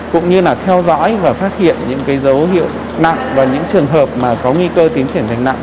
cũng như là theo dõi và phát hiện những dấu hiệu nặng và những trường hợp có nguy cơ tiến triển thành nặng